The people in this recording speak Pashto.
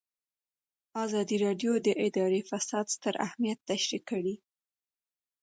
ازادي راډیو د اداري فساد ستر اهميت تشریح کړی.